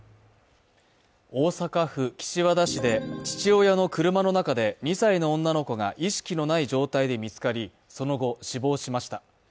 大阪府岸和田市で父親の車の中で２歳の女の子が意識のない状態で見つかり、その後、死亡しました。